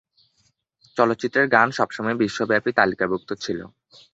চলচ্চিত্রের গান সবসময়ই বিশ্বব্যাপী তালিকাভুক্ত ছিলো।